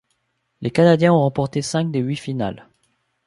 Les Canadiens ont remporté cinq des huit finales.